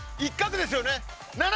１画ですよね。